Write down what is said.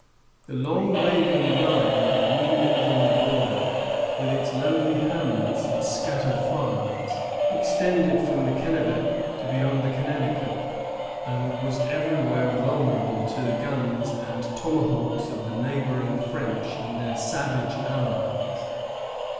The long waving line of the New England border, with its lonely hamlets and scattered farms, extended from the Kennebec to beyond the Connecticut, and was everywhere vulnerable to the guns and tomahawks of the neighboring French and their savage allies.